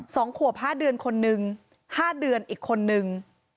สองขวบห้าเดือนคนนึงห้าเดือนอีกคนนึง